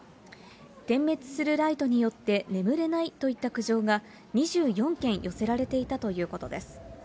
点滅するライトによって眠れないといった苦情が２４件寄せられていたということです。